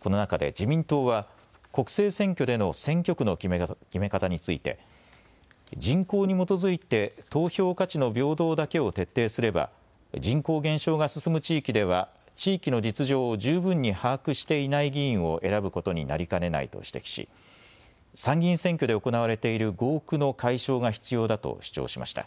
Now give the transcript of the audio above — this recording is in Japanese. この中で自民党は国政選挙での選挙区の決め方について人口に基づいて投票価値の平等だけを徹底すれば人口減少が進む地域では地域の実情を十分に把握していない議員を選ぶことになりかねないと指摘し参議院選挙で行われている合区の解消が必要だと主張しました。